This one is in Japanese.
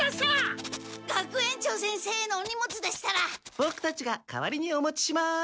ボクたちが代わりにお持ちします。